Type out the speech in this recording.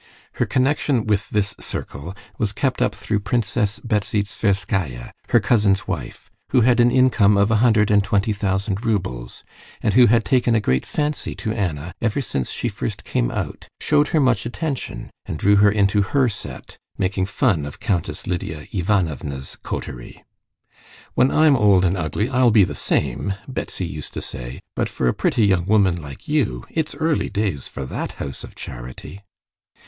Her connection with this circle was kept up through Princess Betsy Tverskaya, her cousin's wife, who had an income of a hundred and twenty thousand roubles, and who had taken a great fancy to Anna ever since she first came out, showed her much attention, and drew her into her set, making fun of Countess Lidia Ivanovna's coterie. "When I'm old and ugly I'll be the same," Betsy used to say; "but for a pretty young woman like you it's early days for that house of charity."